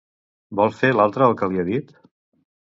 Vol fer l'altre el que li ha dit?